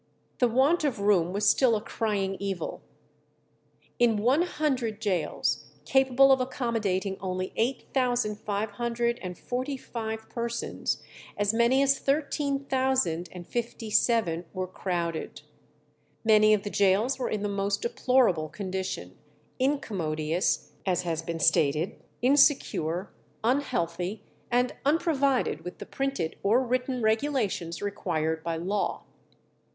The want of room was still a crying evil. In one hundred gaols, capable of accommodating only eight thousand five hundred and forty five persons, as many as thirteen thousand and fifty seven were crowded. Many of the gaols were in the most deplorable condition: incommodious, as has been stated, insecure, unhealthy, and unprovided with the printed or written regulations required by law.